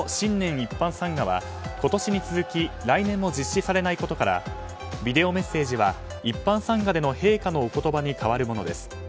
一般参賀は今年に続き来年も実施されないことからビデオメッセージは一般参賀での陛下のお言葉に代わるものです。